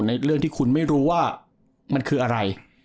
เรื่องที่คุณไม่รู้ว่ามันคืออะไร